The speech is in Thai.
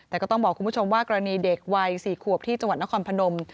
แต่ก็ต้องบอกคุณผู้ชมว่ากรณีเด็กวัย๔ขวบที่จังหวัดนครพนม